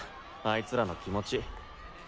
いつらの気持ち。